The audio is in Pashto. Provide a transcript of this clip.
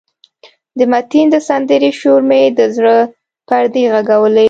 د متین د سندرې شور مې د زړه پردې غږولې.